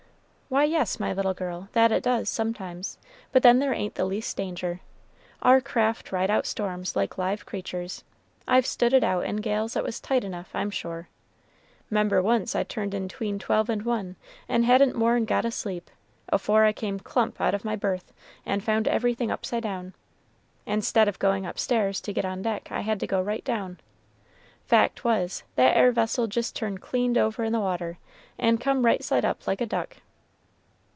"Why, yes, my little girl, that it does, sometimes; but then there ain't the least danger. Our craft ride out storms like live creatures. I've stood it out in gales that was tight enough, I'm sure. 'Member once I turned in 'tween twelve and one, and hadn't more'n got asleep, afore I came clump out of my berth, and found everything upside down. And 'stead of goin' upstairs to get on deck, I had to go right down. Fact was, that 'ere vessel jist turned clean over in the water, and come right side up like a duck."